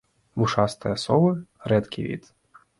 Вушастыя совы рэдкі від.